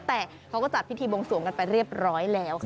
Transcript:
แต่เขาก็จัดพิธีบวงสวงกันไปเรียบร้อยแล้วค่ะ